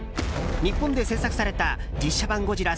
日本で製作された実写版「ゴジラ」